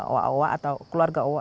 oa owa atau keluarga owa